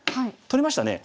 取れましたね。